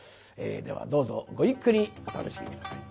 ではどうぞごゆっくりお楽しみ下さい。